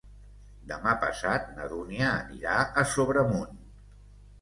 Demà passat na Dúnia anirà a Sobremunt.